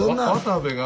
渡部が。